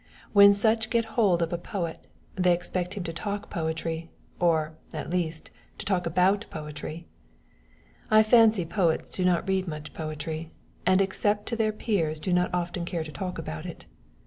When such get hold of a poet, they expect him to talk poetry, or, at least, to talk about poetry! I fancy poets do not read much poetry, and except to their peers do not often care to talk about it.